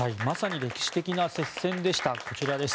まさに歴史的な接戦でした。